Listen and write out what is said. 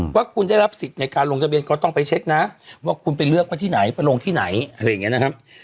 ว่าคุณได้รับสิทธิ์ในการลงทะเบียนก็ต้องไปเช็คนะว่าคุณไปเลือกไว้ที่ไหนไปลงที่ไหนอะไรอย่างนี้นะครับ